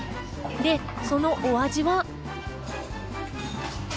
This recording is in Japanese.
で、そのお味は？